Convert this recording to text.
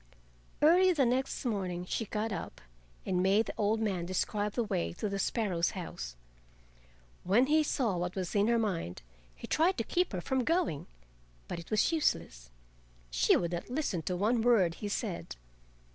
Early the next morning she got up and made the old man describe the way to the sparrow's house. When he saw what was in her mind he tried to keep her from going, but it was useless. She would not listen to one word he said.